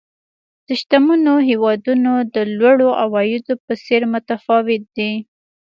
د شتمنو هېوادونو د لوړو عوایدو په څېر متفاوت دي.